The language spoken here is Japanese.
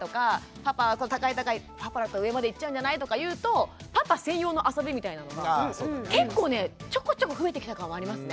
パパはこう高い高いパパだと上までいっちゃうんじゃない？とか言うとパパ専用の遊びみたいなのが結構ねちょこちょこ増えてきた感はありますね。